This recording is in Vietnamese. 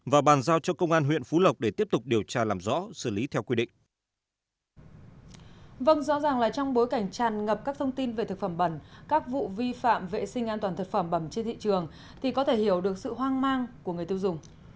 vâng rõ ràng là trong bối cảnh tràn ngập các thông tin về thực phẩm bẩn các vụ vi phạm vệ sinh an toàn thực phẩm bẩm trên thị trường thì có thể hiểu được sự hoang mang của người tiêu dùng